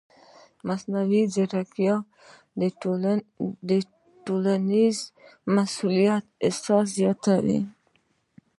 مصنوعي ځیرکتیا د ټولنیز مسؤلیت احساس زیاتوي.